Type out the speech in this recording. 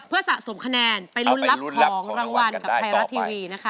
เพื่อสะสมคะแนนไปลุ้นรับของรางวัลกับไทยรัฐทีวีนะคะ